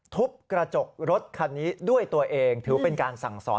ทุบกระจกรถคันนี้ด้วยตัวเองถือเป็นการสั่งสอน